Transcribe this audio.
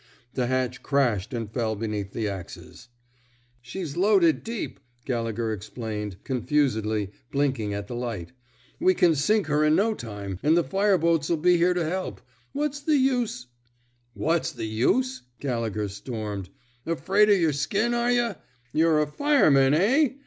The hatch crashed and fell beneath the axes. She's loaded deep," Gallegher explained, confusedly, blinking at the light. We can sink her in no time — and the fire boats '11 be here to help. What's the use —"What's the use! " Meaghan stormed. Afraid of yer skin, are yuh! You We a fireman, eh!